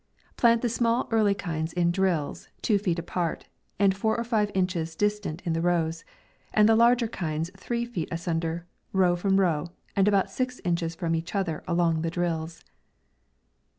Plant the small early kinds in drills, two feet apart, and four or five inches distant in the rows ; and the larger kinds three feet a sunder, row from row\ and about six inches from each other along the drills.